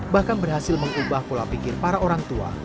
bahkan berhasil mengubah pola pikir para orang tua